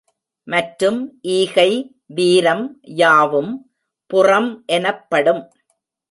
மற்றும் ஈகை, வீரம், யாவும் புறம் எனப்படும்.